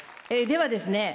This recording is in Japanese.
ではですね